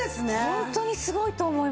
ホントにすごいと思います。